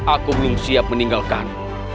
aku belum siap meninggalkanmu